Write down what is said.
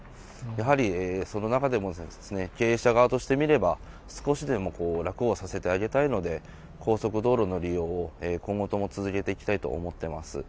やはり、その中でも経営者側として見れば、少しでもこう、楽をさせてあげたいので、高速道路の利用を今後とも続けていきたいと思っています。